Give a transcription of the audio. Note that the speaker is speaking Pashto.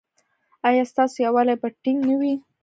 ایا ستاسو یووالي به ټینګ نه وي؟